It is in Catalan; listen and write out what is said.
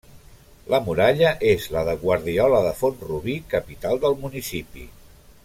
La muralla és la de Guardiola de Font-rubí, capital del municipi.